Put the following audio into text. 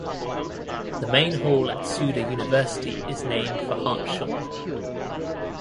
The main hall at Tsuda University is named for Hartshorne.